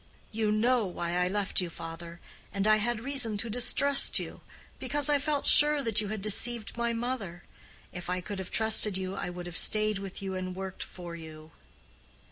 "You know why I left you, father; and I had reason to distrust you, because I felt sure that you had deceived my mother. If I could have trusted you, I would have stayed with you and worked for you."